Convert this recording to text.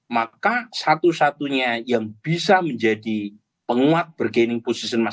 maka satu satunya yang bisa menjadi penguat bergening posisi mas gibran adalah